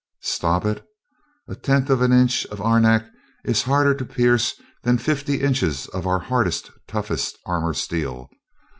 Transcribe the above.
"Stop it! A tenth of an inch of arenak is harder to pierce than fifty inches of our hardest, toughest armor steel.